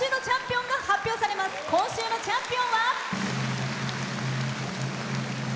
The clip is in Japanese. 今週のチャンピオンは。